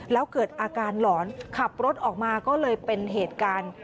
แล้วเกิดอาการหลอนขับรถออกมาก็เลยเป็นเหตุการณ์